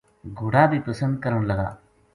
گھوڑا بی پسند کرن لگا